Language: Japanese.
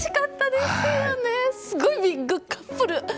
すごいビッグカップル！